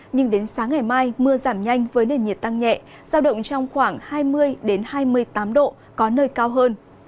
nhưng đến sáng ngày mai mưa giảm nhanh với nền nhiệt tăng nhẹ giao động trong khoảng hai mươi hai mươi tám độ có nơi cao hơn